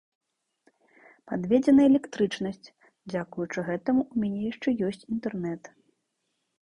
Падведзена электрычнасць, дзякуючы гэтаму ў мяне яшчэ ёсць інтэрнэт.